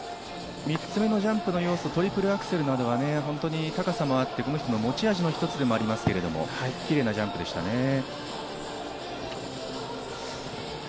３つ目のジャンプの要素、トリプルアクセルなどが高さもあって、この人の持ち味の一つでもありますけれども、キレイなジャンプでしたね。